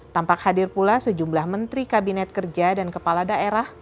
tampak hadir pula sejumlah menteri kabinet kerja dan kepala daerah